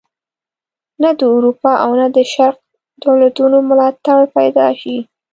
نه د اروپا او نه د شرق دولتونو ملاتړ پیدا شي.